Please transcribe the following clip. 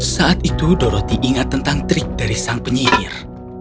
saat itu doroti ingat tentang trik dari sang penyihir